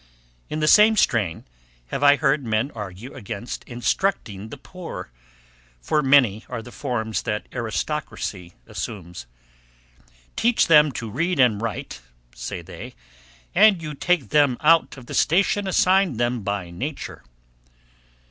In the same strain have I heard men argue against instructing the poor; for many are the forms that aristocracy assumes. "Teach them to read and write," say they, "and you take them out of the station assigned them by nature."